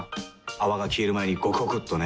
泡が消える前にゴクゴクっとね。